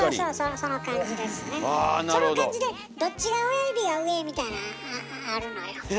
その感じでどっちが親指が上みたいなんあるのよ。